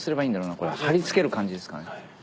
これ貼り付ける感じですかね？